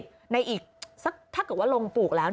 สักถึงหรือว่าลงปลูกแล้ว